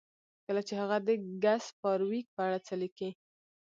کله چې هغه د ګس فارویک په اړه څه لیکي